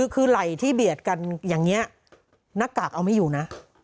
คือไหล่ที่เบียดกันอย่างนี้หน้ากากเอาไม่อยู่นะ